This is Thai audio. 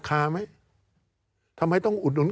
การเลือกตั้งครั้งนี้แน่